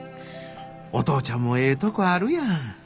お父ちゃんもええとこあるやん。